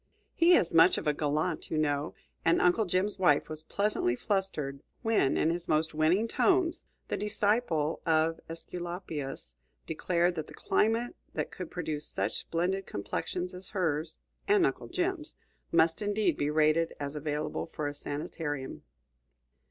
He is much of a gallant, you know; and Uncle Jim's wife was pleasantly flustered when, in his most winning tones, the disciple of Æsculapius declared that the climate that could produce such splendid complexions as hers and Uncle Jim's must indeed be rated as available for a sanitarium.